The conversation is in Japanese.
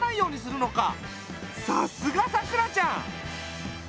さすがさくらちゃん！